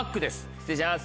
失礼します